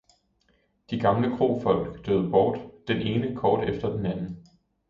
de gamle krofolk døde bort, den ene kort efter den anden.